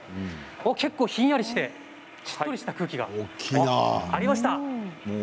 結構ひんやりして、しっとりした空気がありました。